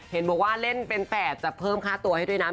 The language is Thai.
เห็นบอกว่าเล่นเป็นแฝดแต่เพิ่มค่าตัวให้ด้วยนะ